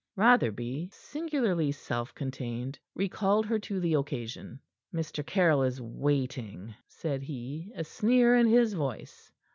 Rotherby, singularly self contained, recalled her to the occasion. "Mr. Caryll is waiting," said he, a sneer in his voice.